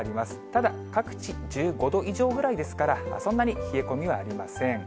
ただ、各地１５度以上ぐらいですから、そんなに冷え込みはありません。